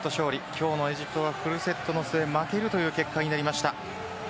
今日のエジプトはフルセットの末負けるという結果になりました。